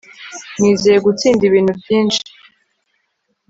nizeye gutsinda ibintu byinshi